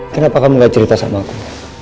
kenapa kamu gak cerita sama aku